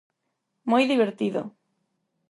Moi divertido.